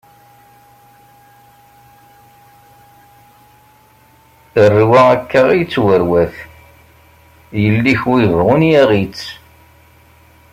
Rrwa akka i yettarwat, yelli-k wi bɣun yaɣ-itt.